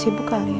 jadi sibuk kali ya